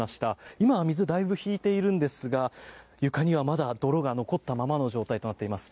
今、水はだいぶ引いてるんですが床にはまだ泥が残ったままの状態となっています。